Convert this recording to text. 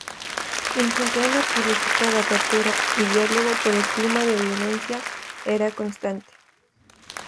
Intentó una política de apertura y diálogo pero el clima de violencia era constante.